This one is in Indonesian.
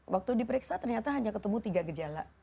waktu diperiksa ternyata hanya ketemu tiga gejala